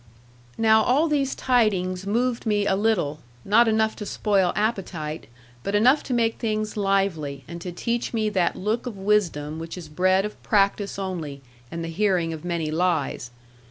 Now all these tidings moved me a little; not enough to spoil appetite, but enough to make things lively, and to teach me that look of wisdom which is bred of practice only, and the hearing of many lies.